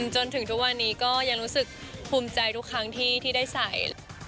จนถึงทุกวันนี้ก็ยังรู้สึกภูมิใจทุกครั้งที่ได้ใส่